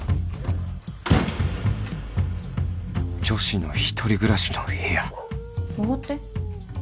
女子の１人暮らしの部屋上がって。